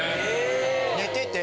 寝てて。